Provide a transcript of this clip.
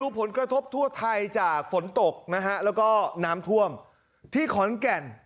ผลกระทบทั่วไทยจากฝนตกนะฮะแล้วก็น้ำท่วมที่ขอนแก่น